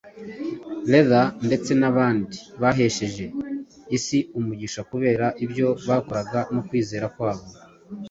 Luther ndetse n’abandi benshi bahesheje isi umugisha kubera ibyo bakoraga no kwizera kwabo,